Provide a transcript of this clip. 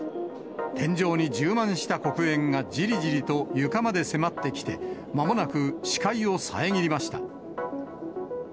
天井に充満した黒煙が、じりじりと床まで迫ってきて、まもなく視界を遮りました。